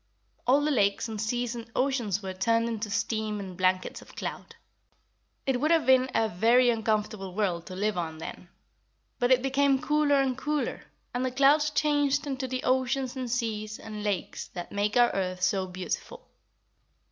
All the lakes and seas and oceans were turned into steam and blankets of cloud. It would have been a very uncomfortable world to live on then. But it became cooler and cooler, and the clouds changed into the oceans and seas and lakes that make our earth so beautiful.